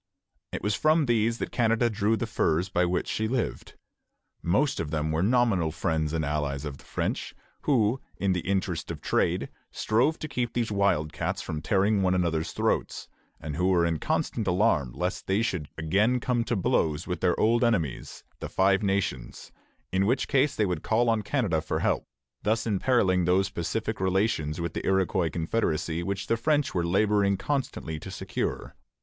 It was from these that Canada drew the furs by which she lived. Most of them were nominal friends and allies of the French, who in the interest of trade strove to keep these wild cats from tearing one another's throats, and who were in constant alarm lest they should again come to blows with their old enemies, the Five Nations, in which case they would call on Canada for help, thus imperilling those pacific relations with the Iroquois confederacy which the French were laboring constantly to secure.